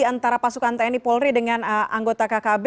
antara pasukan tni polri dengan anggota kkb